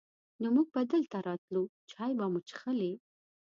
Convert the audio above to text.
نو مونږ به دلته راتلو، چای به مو چښلې.